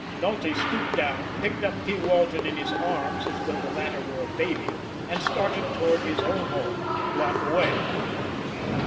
Nulty stooped down, picked up P. Walton in his arms as though the latter were a baby, and started toward his own home a block away.